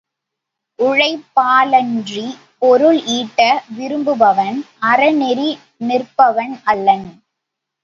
உழைப்பாலன்றிப் பொருள் ஈட்ட விரும்புபவன் அறநெறி நிற்பவன் அல்லன்.